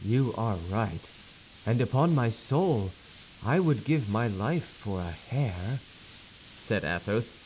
"You are right; and upon my soul, I would give my life for a hair," said Athos.